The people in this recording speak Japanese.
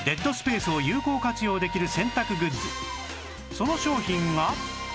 その商品が